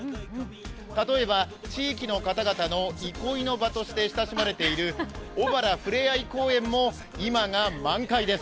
例えば地域の方々の憩いの場として親しまれている、小原ふれあい公園も今が満開です。